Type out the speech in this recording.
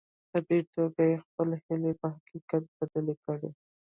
په دې توګه يې خپلې هيلې په حقيقت بدلې کړې.